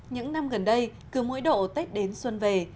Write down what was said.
những năm gần đây cứ mỗi độ tết đến xuân về